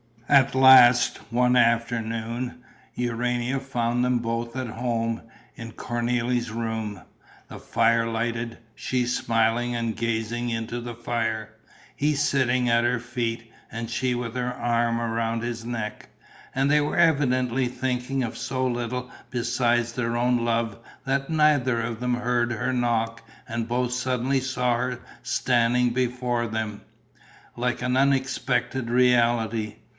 At last, one afternoon, Urania found them both at home, in Cornélie's room, the fire lighted, she smiling and gazing into the fire, he sitting at her feet and she with her arm round his neck. And they were evidently thinking of so little besides their own love that neither of them heard her knock and both suddenly saw her standing before them, like an unexpected reality.